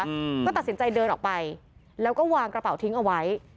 อืมก็ตัดสินใจเดินออกไปแล้วก็วางกระเป๋าทิ้งเอาไว้